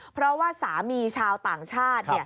เพราะว่าสามีชาวต่างชาติ